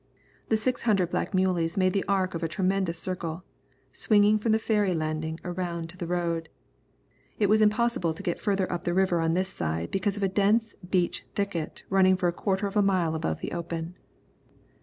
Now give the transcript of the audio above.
The six hundred black muleys made the arc of a tremendous circle, swinging from the ferry landing around to the road. It was impossible to get farther up the river on this side because of a dense beech thicket running for a quarter of a mile above the open.